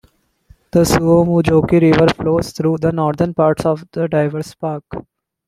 The Suomujoki river flows through the northern parts of the diverse park.